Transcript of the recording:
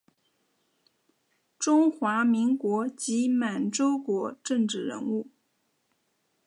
中华民国及满洲国政治人物。